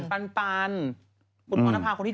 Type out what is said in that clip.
ออนนัภพาคนที่๗